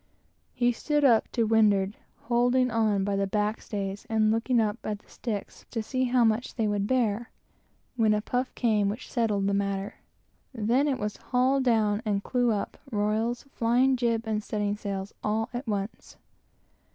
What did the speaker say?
He stood up to windward, holding on by the backstays, and looking up at the sticks, to see how much they would bear; when a puff came which settled the matter. Then it was "haul down," and "clew up," royals, flying jib, and studding sails, all at once.